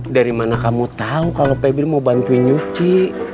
dari mana kamu tahu kalau pebil mau bantuin nyuci